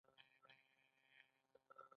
عادي بودیجه د ورځنیو فعالیتونو لپاره ده.